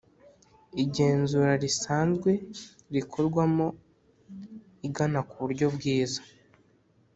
igenzura risanzwe rikorwamo igana ku buryo bwiza